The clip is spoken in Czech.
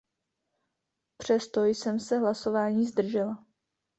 Přesto jsem se hlasování zdržela.